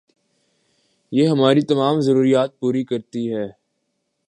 یہ ہماری تمام ضروریات پوری کرتی ہے